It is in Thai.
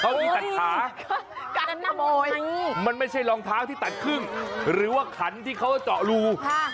เก้าอี้ตัดขามันไม่ใช่รองเท้าที่ตัดครึ่งหรือว่าขันที่เขาจะเจาะรู